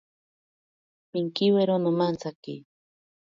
Pinkiwiro nomantsaki.